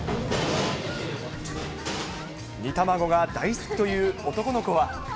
煮卵が大好きという男の子は。